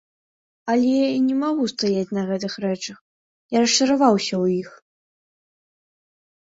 Але я не магу стаяць на гэтых рэчах, я расчараваўся ў іх.